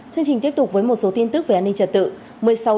chương trình tiếp tục với một số tin tức về an ninh trật tự